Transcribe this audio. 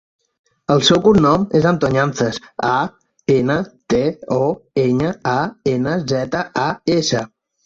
El seu cognom és Antoñanzas: a, ena, te, o, enya, a, ena, zeta, a, essa.